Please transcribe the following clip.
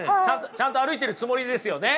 ちゃんと歩いているつもりですよね？